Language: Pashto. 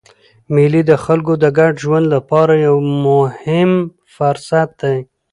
مېلې د خلکو د ګډ ژوند له پاره یو مهم فرصت دئ.